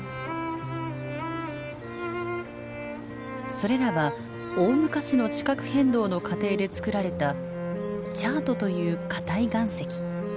それらは大昔の地殻変動の過程でつくられたチャートという硬い岩石。